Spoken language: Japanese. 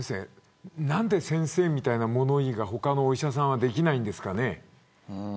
何で先生みたいな物言いが他のお医者さんにはできないんですかね。